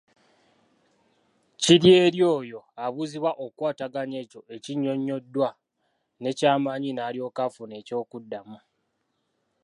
Kiri eri oyo abuuzibwa okukwataganya ekyo ekinnyonnyoddwa n’ekyamanyi n’alyoka afuna ekyokuddamu.